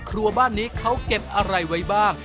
ครัวบ้านนี้เขาเก็บอะไรไว้บ้าง